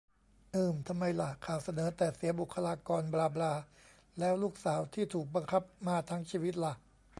อืม ทำไมล่ะ ข่าวเสนอแต่เสียบุคลากรบลาบลา แล้วลูกสาวที่ถูกบังคับมาทั้งชีวิตล่ะ